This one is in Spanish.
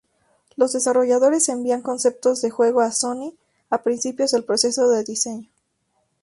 Los desarrolladores envían conceptos de juego a Sony a principios del proceso de diseño.